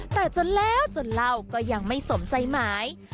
แต่จนแล้วจนเล่าก็ยังไม่สมใจหมาย